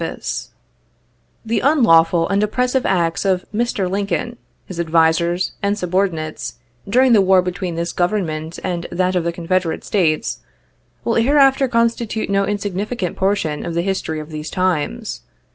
PRE E AC E The unlawful and oppressive acts of Mr. Lincoln, his advisers, and subordinates, during the war between this Government and that of the Confederate States, will here after constitute no insignificant portion of the history of these times.